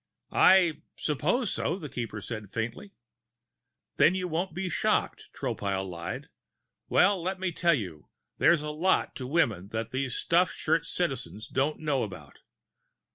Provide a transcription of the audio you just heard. "I suppose so," the Keeper said faintly. "Then you won't be shocked," Tropile lied. "Well, let me tell you, there's a lot to women that these stuffed shirt Citizens don't know about.